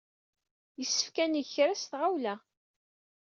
Yessefk ad neg kra s tɣawla.